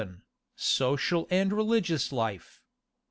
XI. SOCIAL AND RELIGIOUS LIFE.